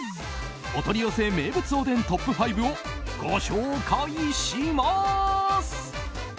お取り寄せ名物おでんトップ５をご紹介します！